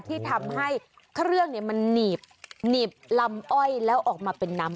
ที่ทำให้เครื่องมันหนีบลำอ้อยแล้วออกมาเป็นน้ำ